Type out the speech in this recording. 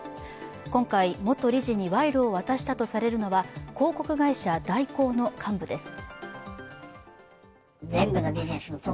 今回、元理事に賄賂を渡したとされるのは広告会社・大広の幹部です。